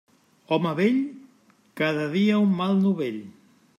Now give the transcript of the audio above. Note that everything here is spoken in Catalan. Home vell, cada dia un mal novell.